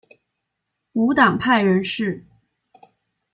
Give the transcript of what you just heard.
无党派人士。